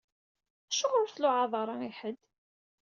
Acuɣeṛ ur tluɛaḍ ara i ḥedd?